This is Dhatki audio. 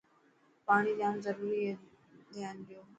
پاڻي جام ضروري هي ڌيان ڏيو.